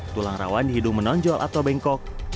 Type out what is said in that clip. tulang rawan di hidung menonjol atau bengkok